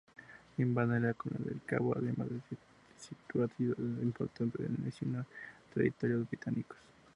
Invaden la colonia del Cabo, además de sitiar ciudades importantes y anexionar territorios británicos.